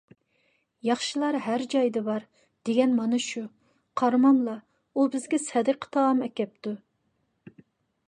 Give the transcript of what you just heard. ياخشىلار ھەر جايدا بار، دېگەن مانا شۇ، قارىماملا، ئۇ بىزگە سەدىقە تائام ئەكەپتۇ!